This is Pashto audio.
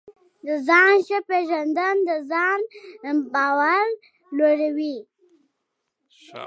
د ځان ښه پېژندل د ځان باور لوړوي.